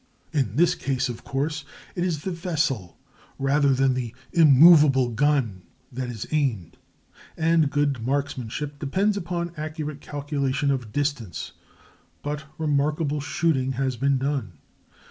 In this case, of course, it is the vessel rather than the immovable gun that is aimed, and good marksmanship depends upon accurate calculation of distance; but remarkable shooting has been done.